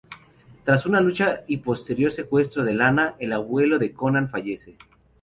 Tras una lucha y posterior secuestro de Lana, el abuelo de Conan fallece.